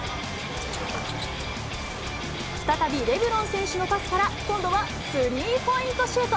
再びレブロン選手のパスから、今度はスリーポイントシュート。